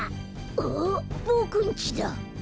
ああボクんちだ。